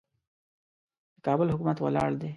د کابل حکومت ولاړ دی.